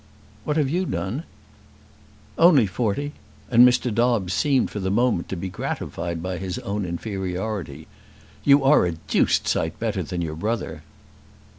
"What have you done?" "Only forty," and Mr. Dobbes seemed for the moment to be gratified by his own inferiority. "You are a deuced sight better than your brother."